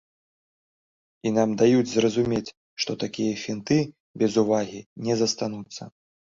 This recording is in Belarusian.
І нам даюць зразумець, што такія фінты без увагі не застануцца.